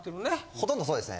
ほとんどそうですね。